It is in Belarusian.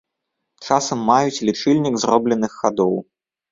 Часам маюць лічыльнік зробленых хадоў.